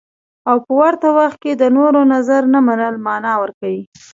او په ورته وخت کې د نورو نظر نه منل مانا ورکوي.